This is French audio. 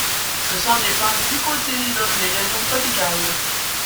Ce sont des plantes dicotylédones des régions tropicales.